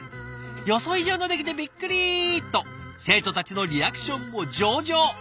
予想以上の出来でビックリ！と生徒たちのリアクションも上々。